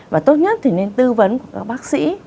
và tốt nhất thì nên tư vấn các bác sĩ